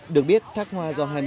được biết thác hoa do hai mươi sáu